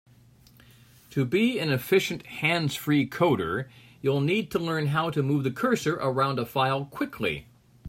To be an efficient hands-free coder, you'll need to learn how to move the cursor around a file quickly.